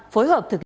phối hợp thực hiện